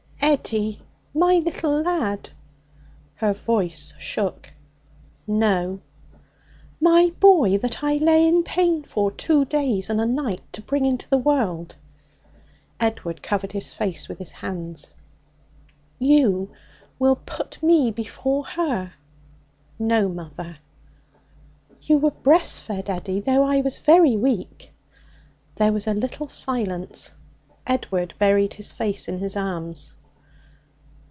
'Eddie! my little lad!' Her voice shook. 'No.' 'My boy that I lay in pain for, two days and a night, to bring you into the world!' Edward covered his face with his hands. 'You will put me before her?' 'No, mother.' 'You were breast fed, Eddie, though I was very weak.' There was a little silence. Edward buried his face in his arms.